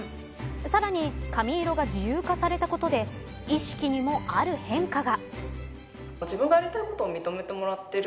さらに髪色が自由化されたことで意識にもある変化が。